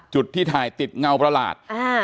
จุดที่ถ่ายติดเงาประหลาด